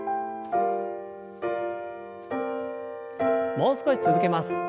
もう少し続けます。